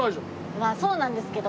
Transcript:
まあそうなんですけど。